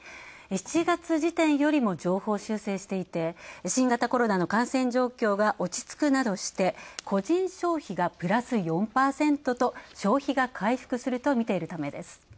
７月時点よりも上方修正していて新型コロナの感染状況が落ち着くなどして個人消費がプラス４％と消費が回復するとみているためです。